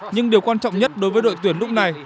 nhưng điều quan trọng nhất đối với đội tuyển lúc này